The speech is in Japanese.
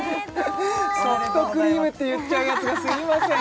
ソフトクリームって言っちゃうやつがすいません